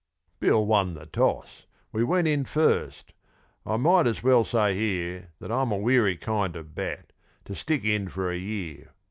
Bill won the toss, we went in first. I might as well say here That I'm a weary kind of bat to stick in for a year.